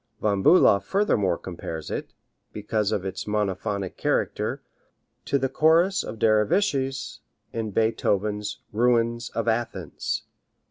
Von Bulow furthermore compares it, because of its monophonic character, to the Chorus of Dervishes in Beethoven's "Ruins of Athens."